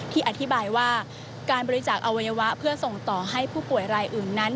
อธิบายว่าการบริจาคอวัยวะเพื่อส่งต่อให้ผู้ป่วยรายอื่นนั้น